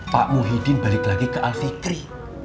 pak muhyiddin balik lagi ke alfikri